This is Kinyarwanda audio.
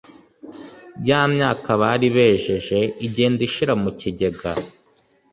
Ya myaka bari bejeje igenda ishira mu kigega.